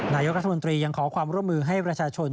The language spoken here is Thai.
นายกรัฐมนตรียังขอความร่วมมือให้ประชาชน